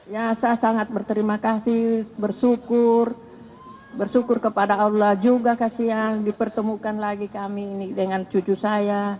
ya saya sangat berterima kasih bersyukur bersyukur kepada allah juga kasihan dipertemukan lagi kami ini dengan cucu saya